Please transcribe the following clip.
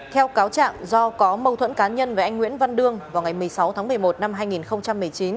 theo cáo trạng do có mâu thuẫn cá nhân với anh nguyễn văn đương vào ngày một mươi sáu tháng một mươi một năm hai nghìn một mươi chín